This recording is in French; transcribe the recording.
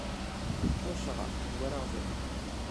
Pontcharrat.- Voilà un verbe !